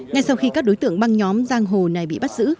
ngay sau khi các đối tượng băng nhóm giang hồ này bị bắt giữ